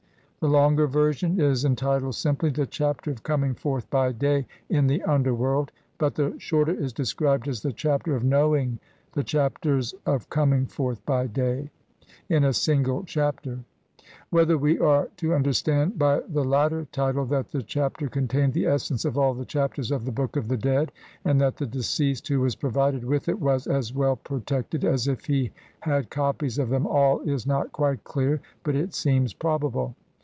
The longer version is entitled simply "The Chapter of Coming Forth by Day in the underworld", but the shorter is described as "The Chapter of knowing the 'Chapters of Coming Forth by Day' in a single Chap ter". Whether we are to understand by the latter title that the Chapter contained the essence of all the Chapters of the Book of the Dead and that the de ceased who was provided with it was as well pro tected as if he had copies of them all, is not quite clear, but it seems probable.